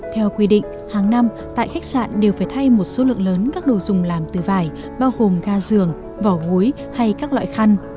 theo quy định hàng năm tại khách sạn đều phải thay một số lượng lớn các đồ dùng làm từ vải bao gồm ga giường vỏ gối hay các loại khăn